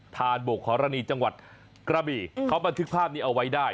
ทานบกฮรณีจังหวัดกระบี่เขาบันทึกภาพนี้เอาไว้ได้